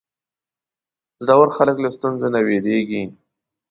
زړور خلک له ستونزو نه وېرېږي.